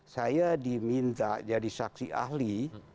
saya diminta jadi saksi ahli